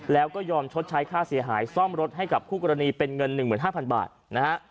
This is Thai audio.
แล้วก็ยอมชดใช้ค่าเสียหายซ่อมรถให้กับคู่กรณีเป็นเงิน๑๕๐๐บาทนะฮะ